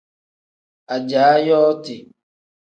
Ajaa yooti.